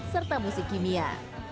serta musik kimia